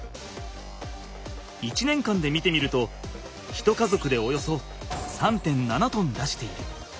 １年間で見てみると１家族でおよそ３．７トン出している。